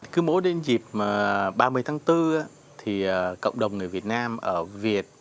cứ mỗi đến dịp ba mươi tháng bốn thì cộng đồng người việt nam ở việt